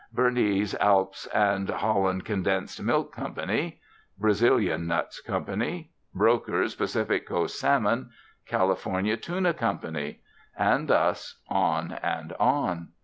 "Bernese Alps and Holland Condensed Milk Co.," "Brazilian Nuts Co.," "Brokers Pacific Coast Salmon," "California Tuna Co.," and thus on and on.